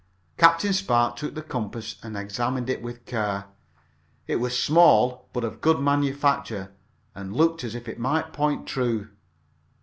Captain Spark took the compass and examined it with care. It was small, but of good manufacture, and looked as if it might point true.